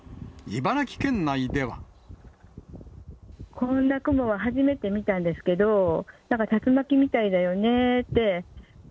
こんな雲は初めて見たんですけど、なんか竜巻みたいだよねって。